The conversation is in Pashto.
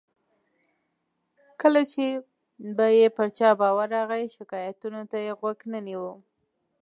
کله چې به یې پر چا باور راغی، شکایتونو ته یې غوږ نه نیو.